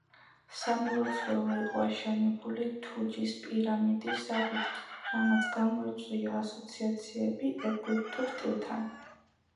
სამლოცველო იყო აშენებული თუჯის პირამიდის სახით, რამაც გამოიწვია ასოციაციები „ეგვიპტურ სტილთან“.